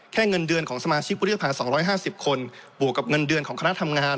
เงินเดือนของสมาชิกวุฒิภา๒๕๐คนบวกกับเงินเดือนของคณะทำงาน